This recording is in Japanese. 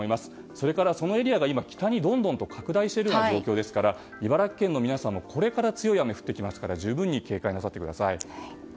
それからそのエリアが今、北にどんどん拡大している状況ですから、茨城県の皆さんはこれから強い雨が降りますので十分に警戒なさってください。